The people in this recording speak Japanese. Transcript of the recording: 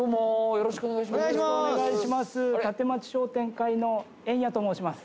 よろしくお願いします。